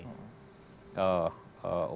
nah itu kan